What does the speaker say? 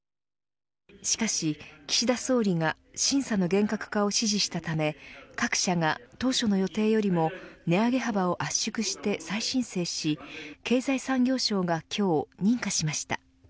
しかし、岸田総理が審査の厳格化を指示したため各社が当初の予定よりも値上げ幅を圧縮して再申請し経済産業省が今日認可しました。